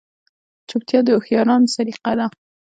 چوپتیا، د هوښیارانو سلیقه ده.